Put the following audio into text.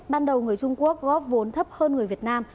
ban đầu người trung quốc góp vốn thấp hơn người việt nam